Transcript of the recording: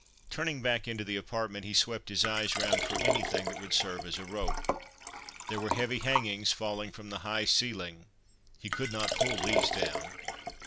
Turning back into the apartment, he swept his eyes round for anything that would serve as a rope. There were heavy hangings falling from the high ceiling : he could not pull these down.